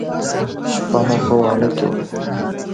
شپه مو په واڼه کښې وه.